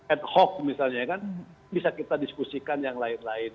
ad hoc misalnya kan bisa kita diskusikan yang lain lain